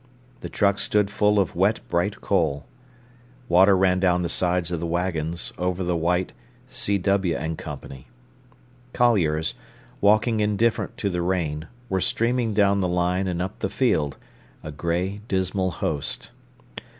The trucks stood full of wet, bright coal. Water ran down the sides of the waggons, over the white "C.W. and Co." Colliers, walking indifferent to the rain, were streaming down the line and up the field, a grey, dismal host.